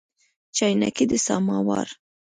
چاینکي د سماوار